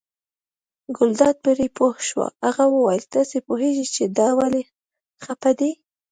ګلداد پرې پوه شو، هغه وویل تاسې پوهېږئ چې دا ولې خپه دی.